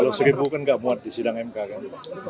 kalau seribu kan nggak muat di sidang mk kan